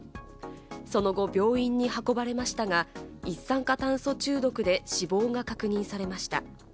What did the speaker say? その後、病院に運ばれましたが、一酸化炭素中毒で死亡が確認されました。